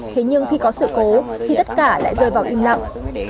thế nhưng khi có sự cố thì tất cả lại rơi vào im lặng